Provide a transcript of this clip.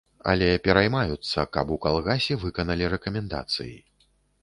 Але пераймаюцца, каб у калгасе выканалі рэкамендацыі.